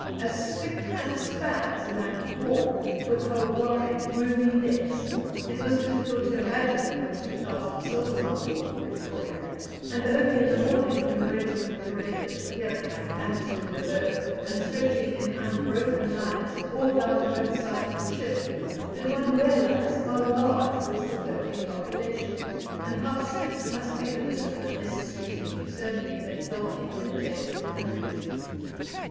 As spick and span as a man of war, with her wide, roomy decks, it was difficult to imagine there were 2,000 souls on board the Victoria, and only in the morning, when the regiment paraded, appearing like ants from below, and stretching in unbroken lines all down both sides of the ship, did one realize how large was the floating population, and how strict must be the discipline necessary to keep so many men healthy, contented, and efficient.